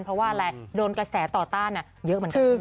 เพราะว่าอะไรโดนกระแสต่อต้านเยอะเหมือนกัน